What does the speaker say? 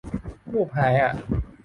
รูปหายอ่ะ